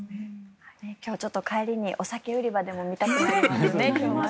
今日、帰りにお酒売り場を見たくなりますよね。